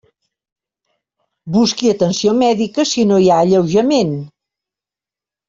Busqui atenció mèdica si no hi ha alleujament.